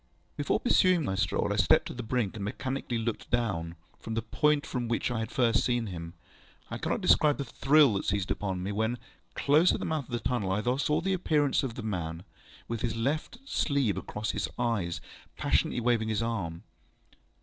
Before pursuing my stroll, I stepped to the brink, and mechanically looked down, from the point from which I had first seen him. I cannot describe the thrill that seized upon me, when, close at the mouth of the tunnel, I saw the appearance of a man, with his left sleeve across his eyes, passionately waving his right arm.